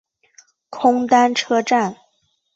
空丹车站。